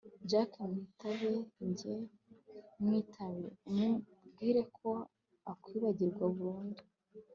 jack! mwitabe!? njye mwitabe umubwire ko akwibagirwa burundu